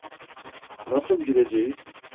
Nasıl gireceğiz?